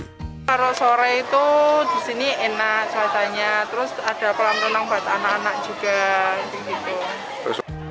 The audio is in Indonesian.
kalau sore itu disini enak saatnya terus ada pelang pelang buat anak anak juga